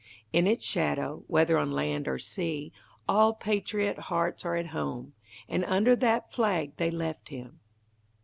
In its shadow, whether on land or sea, all patriot hearts are at home, and under that flag they left him.